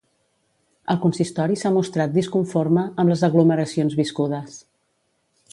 El consistori s’ha mostrat ‘disconforme’ amb les aglomeracions viscudes.